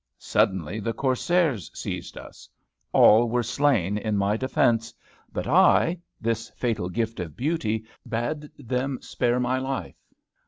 Suddenly the corsairs seized us: all were slain in my defence; but I, this fatal gift of beauty bade them spare my life!